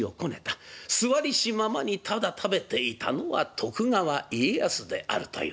座りしままにただ食べていたのは徳川家康であるという。